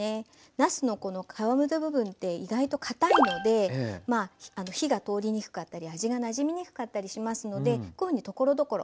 なすのこの皮の部分って意外とかたいので火が通りにくかったり味がなじみにくかったりしますのでこういうふうにところどころ。